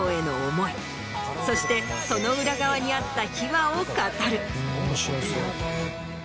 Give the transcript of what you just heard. そしてその裏側にあった秘話を語る。